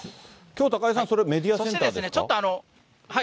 きょう、高井さん、それ、メディアセンターですか？